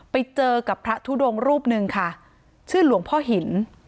ไปเจอกับพระทุดงรูปหนึ่งค่ะชื่อหลวงพ่อหิน